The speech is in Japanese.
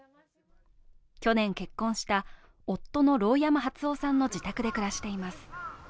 去年結婚した、夫の盧山初雄さんの自宅で暮らしています。